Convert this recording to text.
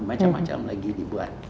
macam macam lagi dibuat